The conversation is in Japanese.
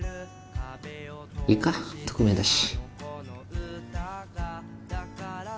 いいか匿名だし。